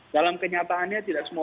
dalam kenyataannya tidak semua